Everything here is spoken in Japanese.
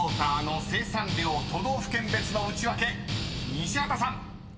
［西畑さん］